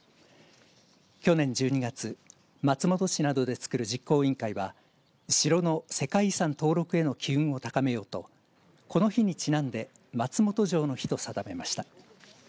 去年１２月松本市などでつくる実行委員会は城の世界遺産登録への機運を高めようとこの日にちなんで松本城の日と定めました。